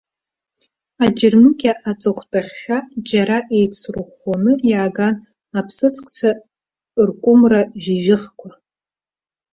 Аџьармыкьа аҵыхәтәахьшәа џьара еицырхәоуны иааган аԥсыӡкцәа ркәымра жәижәыхқәа.